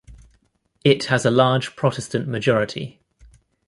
It has a large Protestant majority.